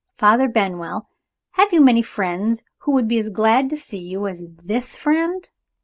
Father Benwell, have you many friends who would be as glad to see you as this friend?